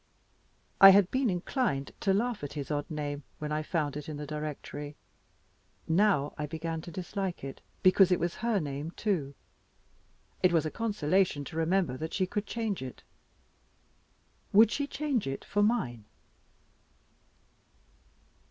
I had been inclined to laugh at his odd name, when I found it in the directory! Now I began to dislike it, because it was her name, too. It was a consolation to remember that she could change it. Would she change it for mine?